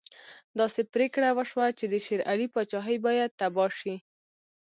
داسې پرېکړه وشوه چې د شېر علي پاچهي باید تباه شي.